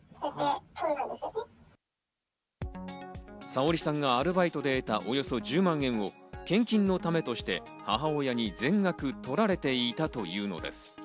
さおりさんがアルバイトで得たおよそ１０万円を献金のためとして母親に全額取られていたというのです。